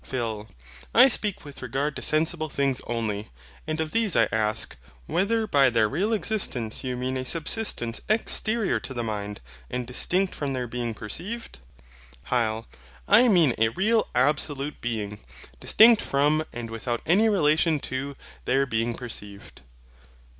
PHIL. I speak with regard to sensible things only. And of these I ask, whether by their real existence you mean a subsistence exterior to the mind, and distinct from their being perceived? HYL. I mean a real absolute being, distinct from, and without any relation to, their being perceived.